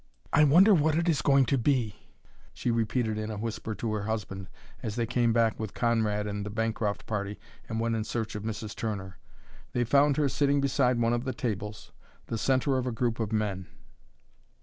"I wonder what it is going to be," she repeated in a whisper to her husband as they came back with Conrad and the Bancroft party and went in search of Mrs. Turner. They found her sitting beside one of the tables, the centre of a group of men.